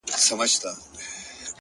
• هغه اوس اوړي غرونه غرونه پـــرېږدي؛